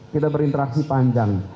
kita berinteraksi panjang